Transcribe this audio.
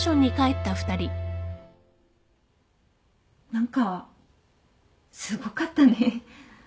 何かすごかったね。